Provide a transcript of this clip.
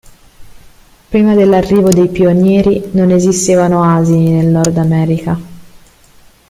Prima dell'arrivo dei pionieri non esistevano asini nel Nord America.